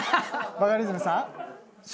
バカリズムさん。